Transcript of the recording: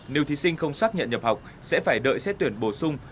nếu thí sinh không xác nhận nhập học sẽ phải đợi xét tuyển bổ sung